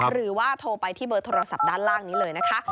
หรือว่าโทรไปที่เบอร์โทรศัพท์ด้านล่างนี้เลยนะคะ